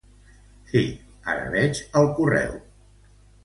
Sí, ara veig el correu.